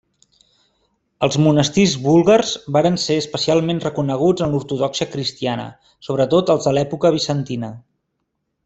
Els monestirs búlgars varen ser especialment reconeguts en l'ortodòxia cristiana, sobretot els de l'època bizantina.